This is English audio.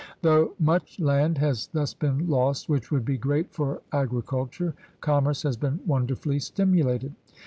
Though much land has thus been lost which would be good for agricul ture, commerce has been wonderfully stimulated.